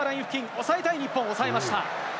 おさえたい日本、おさえました。